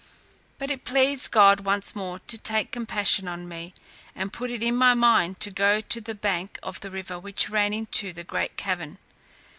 But it pleased God once more to take compassion on me, and put it in my mind to go to the bank of the river which ran into the great cavern.